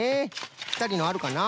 ぴったりのあるかな？